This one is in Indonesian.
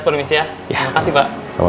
permisi pak ibu